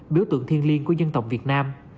biểu tượng thiên liên của dân tộc việt nam